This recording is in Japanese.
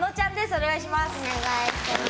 お願いします。